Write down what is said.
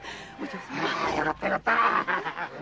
よかったよかった。